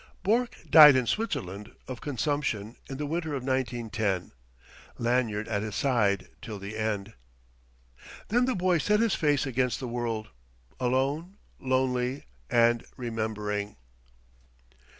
Bourke died in Switzerland, of consumption, in the winter of 1910 Lanyard at his side till the end. Then the boy set his face against the world: alone, lonely, and remembering.